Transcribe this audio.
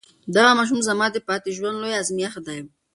دغه ماشوم زما د پاتې ژوند لوی ازمېښت دی.